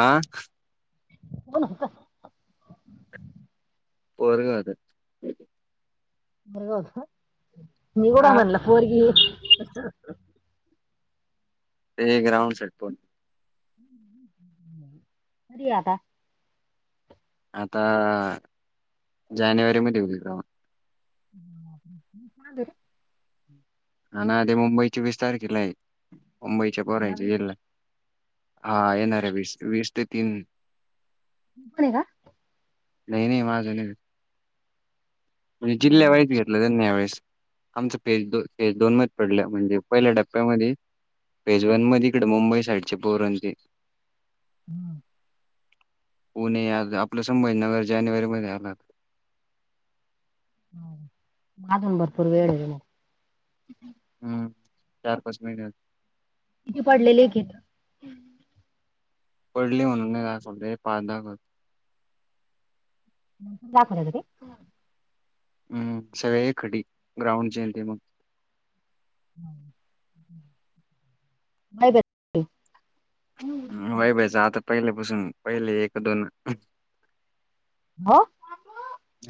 आह हो ना पोरग होत बबत मघड मरला पर्गी ते ग्राउंड सेट पण ह् मर्यादा आता जानेवारी मध्ये होई र हा ना आ ते मुंबईच्या वीस तारखेला आहे मुंबईच्या परायचे दहावीस तू जेल्हा हा येणार आहे वीस वीस ते तीन णी का नाही नाही माझं नाही म्हण जिल्ह जानेवारी वईच घे वेेळेस आमच फेजेज दोन म पडल्या म्हणजे पहिल्या टप्प्यामध्ये पेजवन मध्ये इकडे मुंबई साईडचे पोरण ते हम्म पुणे आपलं सभाज नर जानेवारी मध्ये आलात हा माजून भरपूर वेळ आहे हम्म चार पाच महिन्या किती पडलेले एकी पडली म्हणून नाही का पा दाखरगे हम्म सगळे एक खट ग्राउंड ज य ते मग मा ब वई बाईच आता पहिले पासून पहिले एक दोन ह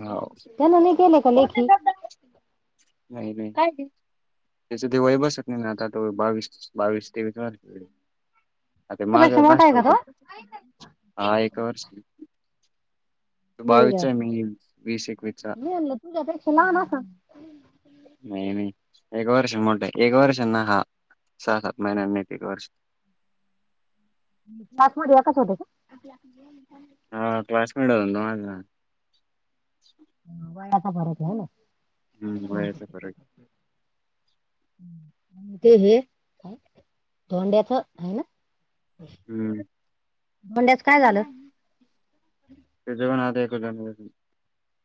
हो त्यांन नाही गेले का लेखी हो त्याच्या वय बसत नाही आता बावीस बावीस तेवीस आता माझा त्यापेक्षा मोठा आहे नाष्ट का होत तो हा एक वर्ष त बावी अरे देवा. विच मी वीस एक विच मी म्हणलं तुझ्यापेक्षा लव ना स नाही नाही एक वर्ष मोठं एक वर्षांना हा सहा सात महिन्यां नाहीत एक वर्ष क्लासमध्येध्ये याकाच होते का क हा क्लासमेट हो ना माझ. वयाचा भरत आहे ना. हम्म वयस पर हम्. ते हे धोंड्याच आहे ना. हम्म म्हंड्यास काय झालं. तजवन आदयक जनरशन.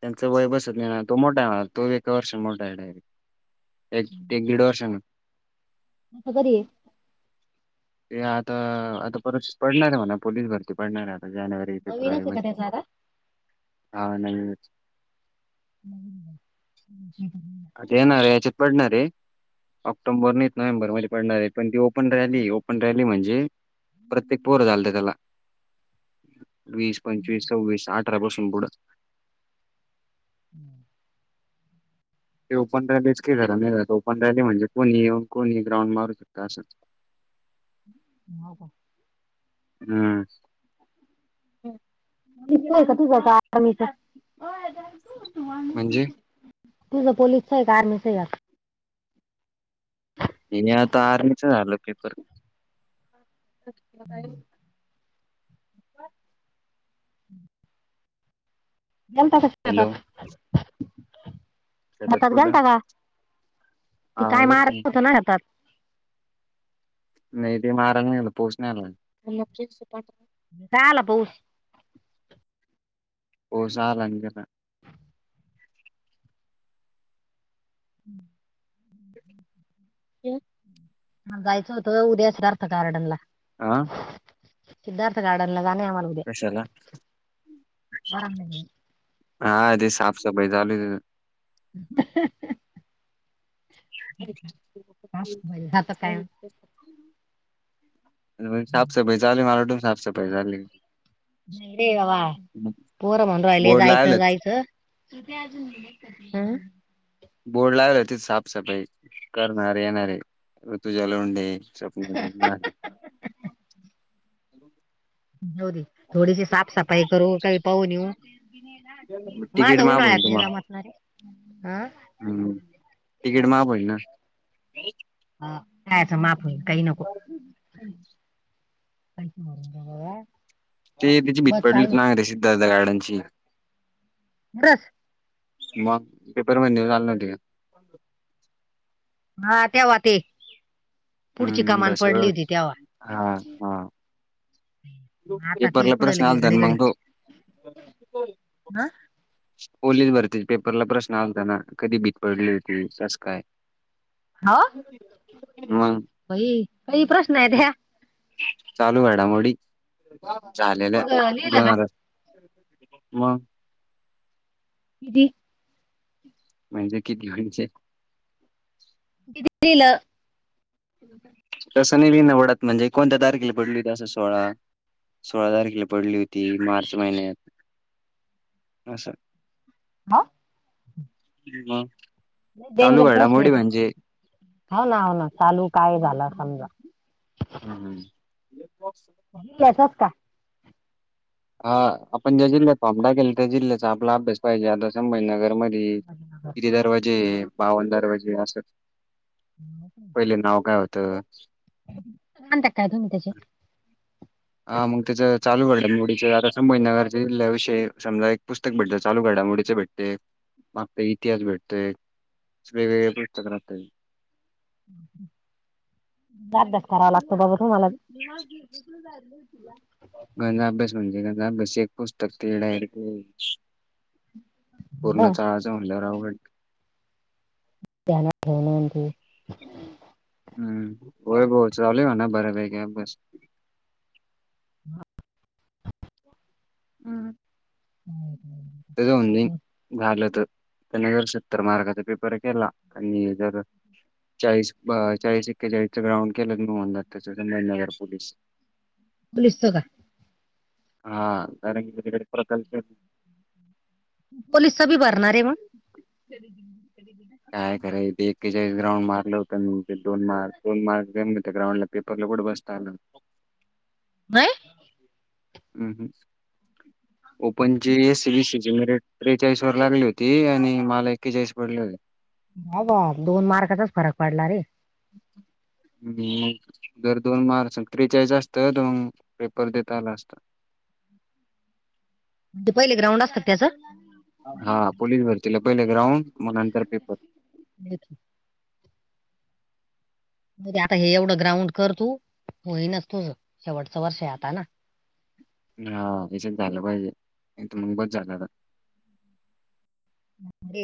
त्यांचं वय बसत नाही ना तो मोठा आहे तो एका वर्ष मोठा आहेडायरेट. एक एक दीड वर्ष ना. कसं कररी आहे. ते आता आता परचीच पडणार आहे म्हणा पोलीस भरती पडणार आहे आता जानेवारी. नवीनच फेब्रुवारी आहे म का त्याचं आता हा नाही नाही. अ येणार रे याची पडणार रे. ऑक्टोबर नाहीत नोव्हेंरमध्ये पडणार आहे पण तीओपन रॅली ओपन रॅली म्हणजे. प्रत्येक पोर लत त्याला वीस पंचवीस सव्वीस आठ. ट बसून बोड. हम्म. ते ओपन रॅलीच के जरा नाही ओपन रॅली म्हणजे कोणी ये कोणी ग्राउंड मारू शकता असंच. हो का. हम. त जायच आर्मीच म्हणजे? तुस पोललीिस का आर्मीीं आता आर्च झालो कपर ज त शकतात हॅलो शेतात हतात कुठं घालता का ती हा काय येईल मारत का? होत ना घतात. न मार पोषण आ काला पाऊस. हो झाारंग ना. हम्. [inaudible] ह ह जायचं होतं उद्या अस अर्थ कार्डन ला आ सिद्धार्थ गार्डन ला जा आम्हाला. उद्या कशाला बरं नाही हा ते साफ सफाई चालू [inaudible] का? [unintelligible] बरं, जातं काय म्ह साफ सफाई झाचाली मला वाटून साफ सफाई झाली. नाही रे बाबा पोहर म्हर अहिले बोर्ड जायच लावलच जायच. अजून. बोर्ड लागला होती साफसफाई करणारे येणारे ऋतुच्या लोंडे. स्वप्न नाही. होरी थोडीशी साफसफाई करू काही पाहू न येऊ. तिकीट महाग माजऊन आयात नि जमातणारे हं हम्म टिकिट मापज ना.. हा कायच माफ होई काय नको. कायच का. ते त्याची भीत पडलीत ना रेसिद् ददा गार्डनची. नरस. मग पेपर महिने चाल होती का? हा तेव्हा ते पुढची हम्म कमान दश पडली होती तेव्हा हा हा. आता ते पेपरला कुठं प्रश्न लगे आलता घडी घडी मग तो हं? ओलेज भरती पेपरला प्रश्न असता ना कधी भीत पडली होती तस काय? मग होई काही प्रश्न आहे त्या चालू घडामोडी लेल्या तू ग- लिहिलं का दोनज वा. कदी? म्हणजे किती म्हचे दिील. तसं नाही ओढत म्हणजे कोणत्या तारखेला पडली होती तसं सोळा सोळा तारखेला पडली होती. मार्च महिन्यात असं. हा. चालू घला मोडी म्हणजे हाव ना हाव ना चालू काय झालं समजा. हम् हम. लिहिल्याचंच का हा आपण ज्या जिल्ह्यात थप जिल्ह्याचा आपला अभ्यास पाहिजे आता संभजनगर मध्ये किती दरवाजे बावन दरवाजे असं. पहिले नाव काय होतं. त काय त म त्याचे [unintelligible] हा मग त्याचं चालू घडामोडीचं आता संभाजीनगर विषय समजा एक पुस्तक भेटलं चालू घडामोडी चं भेटलं. ते मागचा इतिहास भेटतयं वेगवेगळे पुस्तक [inaudible] राहतय. लई अभ्यास करावा लागतो. होो [unintelligible] बातो मला गंजाभ्या म्हणजे गंधा अभ्यासची एक पुस्तक ते येण्याडक हं, पूर्णचा आळज म्हणल्यावर आवड. त्याना ठेवण. हम्म होय बो चाले म ना बर भे ग्या बस. हम. हम्. हो. त्याचं म्हणणं झालं तर सत्तर मार्गाचा पेपर केला आणि जर चाळीस चाळीस एक्केचाळीसचं राऊंड केलं होऊन जातं म्हणणं नगर पोलीस पोलीस चं का? कारण की तिकडे प्रकल्प पोलिस बी भरणार आहे मंग. काय कराय ते एकेचाळीस ग्राउंड मारलं होतं मी ते दोन मार्क दोन मार्क ग्राउंडला पेपरला कुठं बसता आलं. हाय. ओपन चे सि [unintelligible] जी रिमिट त्रेचाळीस वर लागली होती. आणि मला एकेचाळीस पडली होते. वा वा दोन मार्काचाचं फरक पडला. रे [unintelligible] ह् मगं दोन मार्क त्रेचाळीस असतं तर मग पेपर देता आला असत. पहिले ग्राउंड असतात त्याचा. हा पोलीस भरतीला पहिले ग्राउंड मगं नंतर पेपर. ब [inaudible] मध्ये आता हे एवढं ग्राउंड कर तू होईनच तुझं शेवटचं वर्ष आता ना. हा... यांच्यात झालं पाहिजे मग बस झालं आता ऐ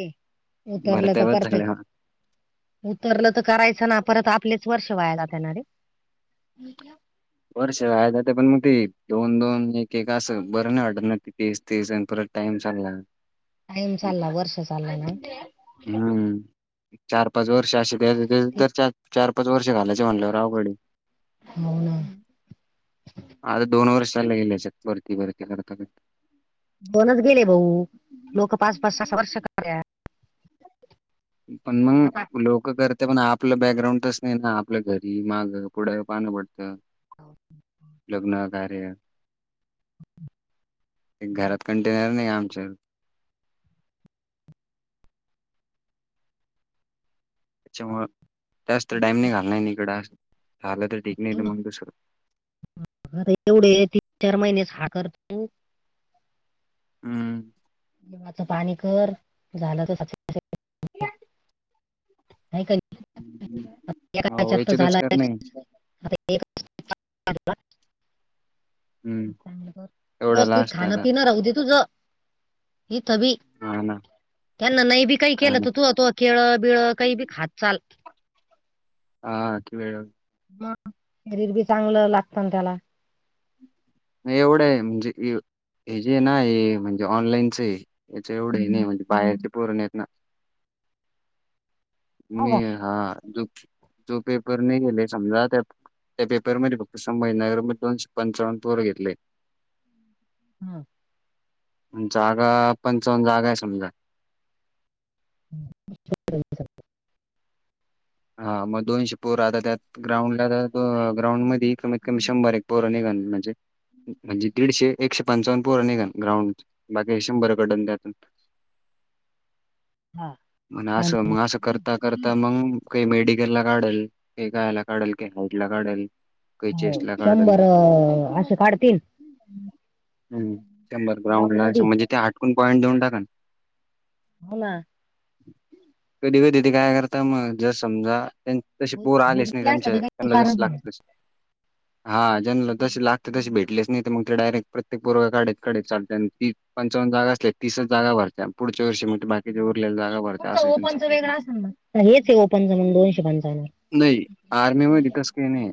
उतरलं भरत्या तर बस परफेक्ट झाल्या उतरलं तर करायचं ना परत आपलेचं वर्ष वाया जाता ना रे. वर्ष वाया जातात पण मगं ते दोन दोन एक एक असं बरं नाही वाटत ना तेचं तेचं आणि परत टाइम चालला. टाईम चालला... वर्ष चालला... ना. हम्म, चार पाच वर्ष अशे.. त्याचं त्यात त्याचं चार -पाच वर्ष घालायचे म्हणल्यावर अवघड हे... हो... ना. आज दोन वर्षला येईल हेच्यात वरती वरती करता करता.. दोनचं गेले भाऊ लोक पाच- पाच, सहा-सहा वर्ष कराल्यात.. पण मं आता लोक करत.. पण आपलं बॅगग्राउंडच नाही ना आपल्या घरी मागं पुढं पान पडतं लग्न कार्यात.. एक घरात कंटेनर नाही आमचं त्याच्यामुळ जास्त टाइम नाही घालणार इकडंं.. झालं तर ठीक नाही एवढं- मग दुसरं. एवढे तीन-चार महिनेस हा करतू.. हम जिवाचं पाणी कर झालं तर.. सक्सेस होतंय [inaudible] [inaudible] हो याच्यातच कर नाही हम्म चांगलं ब.. एवढा व्यवस्थित लास्ट खाणं आता पिनं राहू दे तुझ. हथ बी... हा ना त्यांना नाही बी काही काय केलं ना तर तू आ तु... केळं बिळं काही बी खात चाल हा ते वेळेवर.. ह.. शरीर बी चांगलं लागतं ना त्याला. एवढं आहे म्हणजे हे जे ना म्हणजे ऑनलाईनचं याचं एवढं हे नाही म्हणजे बाहेरचे पोरं नाही येतं ना.. [inaudible] मी हा.. झोपतू जो पेपर नेला समजा त्या पेपर मध्ये फक्त संभाजीनगर दोनशे पंचावन्न. पोरं घेतलंय. हा जागा पंचावन जागा आहे समजा.. [inaudible] हा मग दोनशे पोर आता त्यात ग्राउंडला तर ग्राउंड मध्ये कमीत कमी शंभर एक पोर निघन म्हणजे म्हणजे दीडशे एकशे पंचावन्न पोर निघणं ग्राउंड बाकी शंभर कडन त्यातून.. हा म्हण.. आणि असं मग असं करत ता करता मग.. काही मेडिकल ला काढल काही गायला काढल, का हेल्थ ला काढेल हो.. शंभर असे काढतील हम.. शंभर ग्राउंड ग्राउंडला मध्ये म्हणजे ते हाटकून पॉईंट देऊन टाका ना.. होना कधी कधी ते काय करता मग जस समजा तशी पोर बुध- आलेच नाही बुधकी असलं त्यांच्या तर काही त्यांना जस कारण लागत तशी.. [inaudible] हा ज्यांनला जसे लागते तसे भेटलेच नाही मग ते डायरेक्ट प्रत्येक पोरगं काढीत, काढीत चालत्यानं ती.. पंचावन्न जागा असल्या तीसच जागा भरतीयां पुढच्या वर्षी मं बाकीचे उरलेल्या जागा भरते. तुमच ओपनच वेगळा असेल म... हेच आहे ओपनचं मग दोनशे पंचान्नव नाही.. आर्मी मधी तस काही नाही..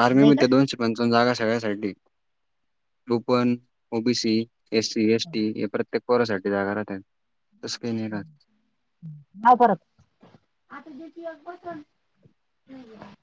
आर्मी नाही का मध्ये दोनशे.. पंचाव्वन जागा सगळ्यासाठी open, OBC S C S T हे प्रत्येक पोरासाठी जागा राहतात तस काही नाही का [inaudible]